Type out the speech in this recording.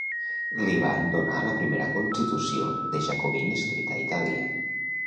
Li van donar la primera constitució de Jacobin escrita a Itàlia.